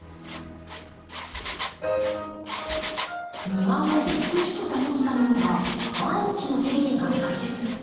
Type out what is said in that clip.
庭を美しく保つためには毎日の手入れが大切。